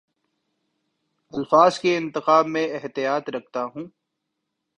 الفاظ کے انتخاب میں احتیاط رکھتا ہوں